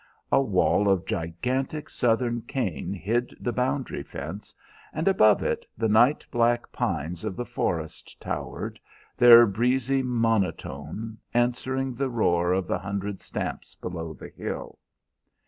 A wall of gigantic Southern cane hid the boundary fence, and above it the night black pines of the forest towered, their breezy monotone answering the roar of the hundred stamps below the hill.